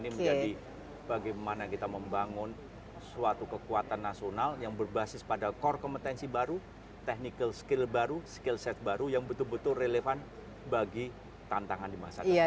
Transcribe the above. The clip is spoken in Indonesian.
ini menjadi bagaimana kita membangun suatu kekuatan nasional yang berbasis pada core kompetensi baru technical skill baru skill set baru yang betul betul relevan bagi tantangan di masa depan